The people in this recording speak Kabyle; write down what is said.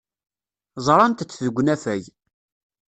Ẓrant-t deg unafag.